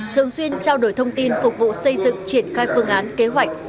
thường xuyên trao đổi thông tin phục vụ xây dựng triển khai phương án kế hoạch